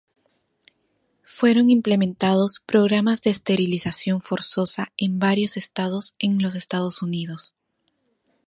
Fueron implementados programas de esterilización forzosa en varios estados en los Estados Unidos.